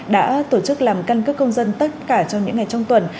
đã tổ chức làm căn cước công dân tất cả trong những ngày trong tuần